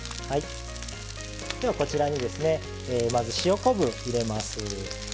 ではこちらにですねまず塩昆布入れます。